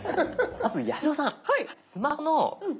まず八代さん。